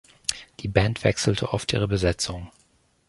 Die Band wechselte oft ihre Besetzung.